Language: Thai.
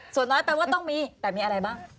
ส่วนน้อยแปลว่าต้องมีแต่มีอะไรบ้าง